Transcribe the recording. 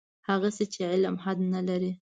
هغسې چې علم حد نه لري.